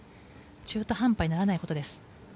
中途半端にならないことです。